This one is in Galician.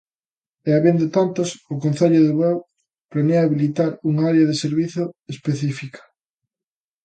E, habendo tantas, o Concello de Bueu planea habilitar unha área de servizo específica.